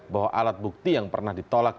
bahwa alat bukti yang pernah ditolak